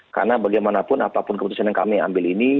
karena bagaimanapun apapun keputusan yang kami ambil ini